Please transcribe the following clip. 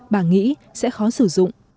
bà nghĩ sẽ khó sử dụng